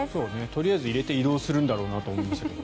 とりあえず入れて移動するんだろうなと思いますけど。